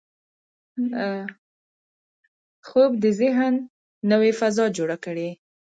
خوب د ذهن نوې فضا جوړه کړي